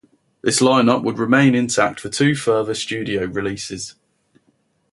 This lineup would remain intact for two further studio releases.